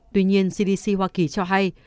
tuy nhiên cdc hoa kỳ cho hay